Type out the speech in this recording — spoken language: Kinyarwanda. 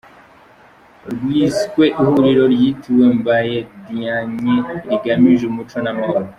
Ryiswe ihuriro ryitiwe Mbaye Diagne rigamije umuco n’amahoro.